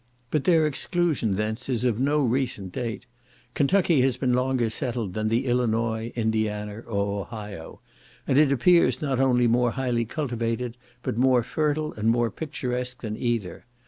But their exclusion thence is of no recent date; Kentucky has been longer settled than the Illinois, Indiana, or Ohio, and it appears not only more highly cultivated, but more fertile and more picturesque than either.